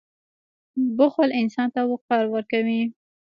• بښل انسان ته وقار ورکوي.